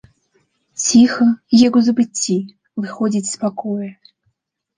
Ціха, як у забыцці, выходзіць з пакоя.